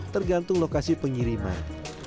tergantung lokasi pengiriman